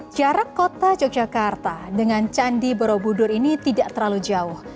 jarak kota yogyakarta dengan candi borobudur ini tidak terlalu jauh